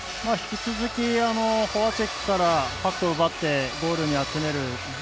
引き続きフォアチェックからパックを奪ってゴールに集める。